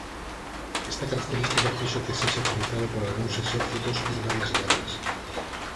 Esta característica fixo que sexa utilizado por algúns exércitos en varias guerras.